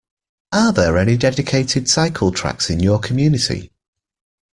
Are there any dedicated cycle tracks in your community?